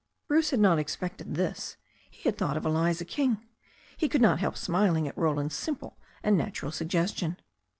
Bruce had not expected this. He had thought of Eliza King. He could not help smiling at Roland's simple and natural suggestion.